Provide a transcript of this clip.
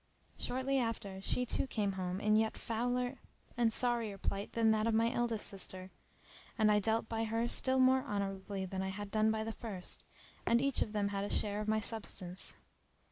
Shortly after she too came home in yet fouler and sorrier plight than that of my eldest sister; and I dealt by her still more honorably than I had done by the first, and each of them had a share of my substance.